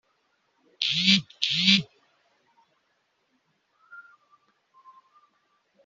tukazingira imirizo mu maguru” ibyo yabiganiriye n’uwitwa Amiel Nkuriza wahoze ari umunyamakuru wa Le Partisan mu Rwanda